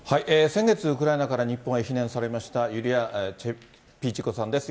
先月、ウクライナから日本へ避難されましたユリア・チェピジコさんです。